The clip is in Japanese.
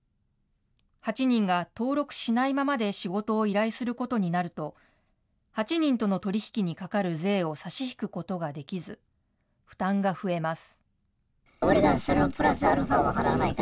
８人が登録しないままで仕事を依頼することになると、８人との取り引きにかかる税を差し引くことができず、負担が増えます。